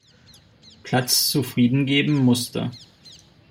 Platz zufriedengeben musste.